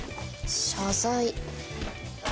謝罪。